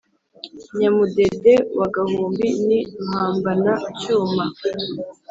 Nyamudede wa Gahumbi ni Ruhambana-cyuma